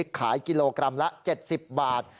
ขายกิโลกรัมละ๗๐บาท